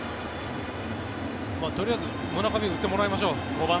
とりあえず村上に打ってもらいましょう。